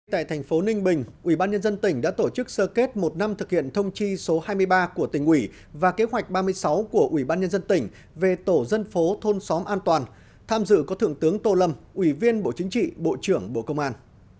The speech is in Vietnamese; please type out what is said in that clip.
tại thành phố ninh bình ubnd tỉnh đã tổ chức sơ kết một năm thực hiện thông chi số hai mươi ba của tỉnh ủy và kế hoạch ba mươi sáu của ủy ban nhân dân tỉnh về tổ dân phố thôn xóm an toàn tham dự có thượng tướng tô lâm ủy viên bộ chính trị bộ trưởng bộ công an